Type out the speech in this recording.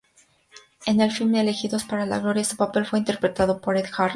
En el film "Elegidos para la gloria" su papel fue interpretado por Ed Harris.